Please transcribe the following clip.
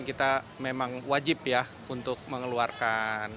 kita memang wajib ya untuk mengeluarkan